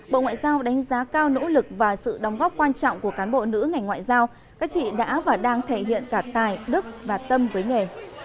bộ ngoại giao đánh giá cao nỗ lực và sự đóng góp quan trọng của cán bộ nữ ngành ngoại giao các chị đã và đang thể hiện cả tài đức và tâm với nghề